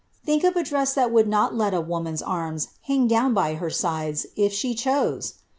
Think of a dress that would not let a woman^s arms hang down by her sides, if she chose